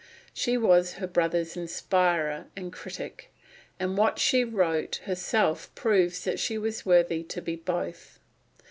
She was her brother's inspirer and critic, and what she wrote herself proves that she was worthy to be both.